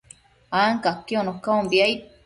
ancaquiono caumbi, aid